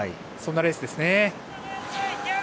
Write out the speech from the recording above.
そんなレースですね。